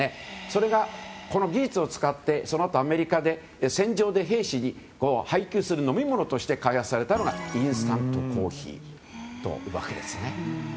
それが、この技術を使ってそのあとアメリカで戦場で兵士に配給する飲み物として開発されたのがインスタントコーヒーです。